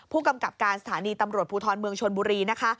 ผู้กำกับการสถานีตำรวจภูทรเมืองชนบุรีนะคะ